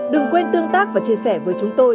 đừng quên tương tác và chia sẻ với chúng tôi